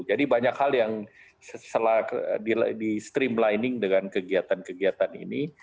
jadi banyak hal yang di streamlining dengan kegiatan kegiatan ini